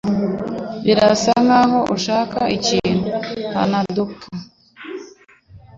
Birasa nkaho ushaka ikintu ... (hanadokei)